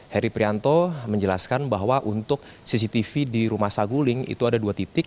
heri prianto menjelaskan bahwa untuk cctv di rumah saguling itu ada dua titik